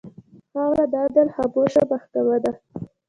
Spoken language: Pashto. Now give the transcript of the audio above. خاوره د عدل خاموشه محکمـه ده.